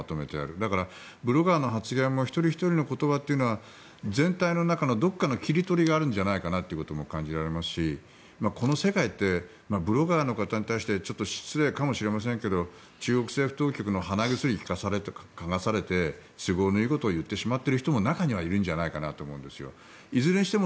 だから、ブロガーの発言も一人ひとりの言葉というのは全体の中のどこかの切り取りがあるんじゃないかなということも感じられますしこの世界ってブロガーの方に対して失礼かもしれませんが中国政府当局に鼻薬を嗅がされて都合のいいことを言わされてしまっている人もいるんじゃないかなと。